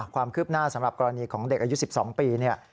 ความคืบหน้าสำหรับกรณีของเด็กอายุ๑๒ปีเนี่ย